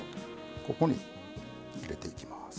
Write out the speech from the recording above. ここに入れていきます。